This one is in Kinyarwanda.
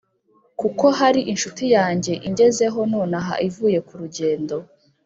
kuko hari incuti yanjye ingezeho nonaha ivuye ku rugendo